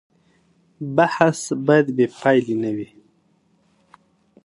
بحث باید بې پایلې نه وي.